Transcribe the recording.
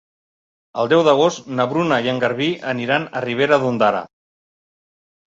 El deu d'agost na Bruna i en Garbí aniran a Ribera d'Ondara.